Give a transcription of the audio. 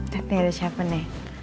tete ada siapa nih